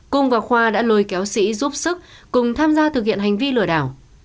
cung và khoa đã lôi kéo sĩ giúp sức cùng tham gia thực hiện hành vi lừa đảo